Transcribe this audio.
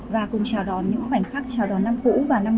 và cùng chào đón những bảnh pháp chào đón năm cũ